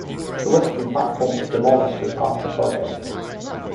The western platform was demolished as part of the project.